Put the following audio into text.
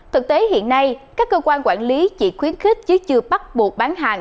thực tế hiện nay các cơ quan quản lý chỉ khuyến khích chứ chưa bắt buộc bán hàng